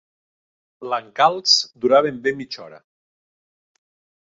L'encalç durà ben bé mitja hora.